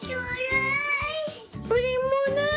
プリンもうない。